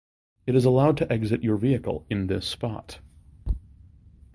It is allowed to exit your vehicle in this spot.